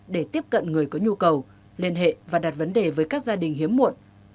để tiếp cận người có nhu cầu liên hệ và đặt vấn đề với các gia đình hiếm muộn